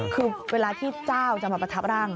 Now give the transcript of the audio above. คือเวลาที่เจ้าจะมาประทับร่าง